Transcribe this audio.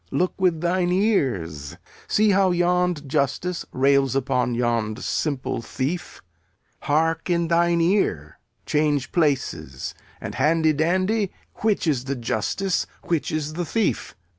Look with thine ears. See how yond justice rails upon yond simple thief. Hark in thine ear. Change places and, handy dandy, which is the justice, which is the thief?